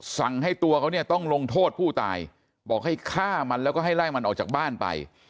สั่งให้ตัวเขาเนี่ยต้องลงโทษผู้ตายบอกให้ฆ่ามันแล้วก็ให้ไล่มันออกจากบ้านไป